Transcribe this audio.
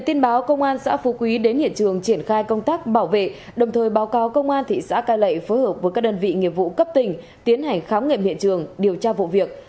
tin báo công an xã phú quý đến hiện trường triển khai công tác bảo vệ đồng thời báo cáo công an thị xã cai lệ phối hợp với các đơn vị nghiệp vụ cấp tỉnh tiến hành khám nghiệm hiện trường điều tra vụ việc